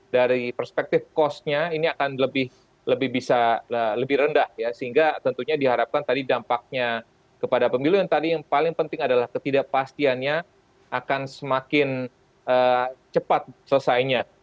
dari perspektif kosnya ini akan lebih bisa lebih rendah ya sehingga tentunya diharapkan tadi dampaknya kepada pemilu yang tadi yang paling penting adalah ketidakpastiannya akan semakin cepat selesainya